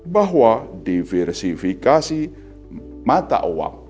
bahwa diversifikasi mata uang